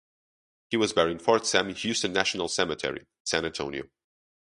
He was buried in Fort Sam Houston National Cemetery, San Antonio.